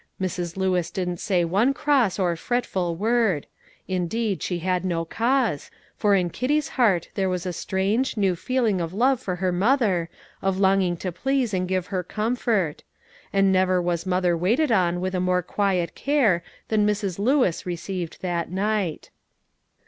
Mrs. Lewis didn't say one cross or fretful word; indeed, she had no cause, for in Kitty's heart there was a strange, new feeling of love for her mother, of longing to please and give her comfort; and never was mother waited on with a more quiet care than Mrs. Lewis received that night.